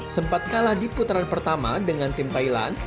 sempat kalah di putaran pertama dengan tim thailand